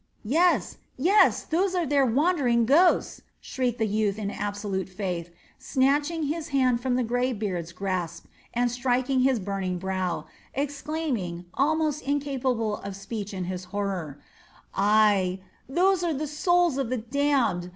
"Yes, yes, those are their wandering ghosts," shrieked the youth in absolute faith, snatching his hand from the grey beard's grasp and striking his burning brow, exclaiming, almost incapable of speech in his horror: "Ay, those are the souls of the damned.